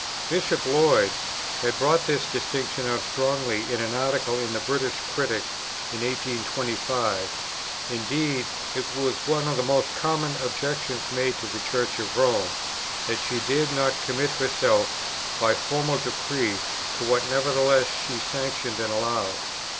Bishop Lloyd had brought this distinction out strongly in an Article in the British Critic in 1825; indeed, it was one of the most common objections made to the Church of Rome, that she dared not commit herself by formal decree, to what nevertheless she sanctioned and allowed.